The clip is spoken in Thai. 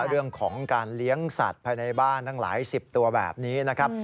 เรื่องของการเลี้ยงสัตว์ภายในบ้านทั้งหลายสิบตัวแบบนี้นะครับ